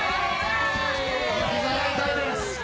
ひざが痛いです。